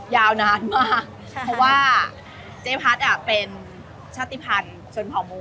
ยาวนานมากเพราะว่าเจ๊พัดเป็นชาติภัณฑ์ชนเผาหมู